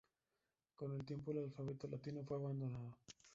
Con el tiempo el alfabeto latino fue abandonado.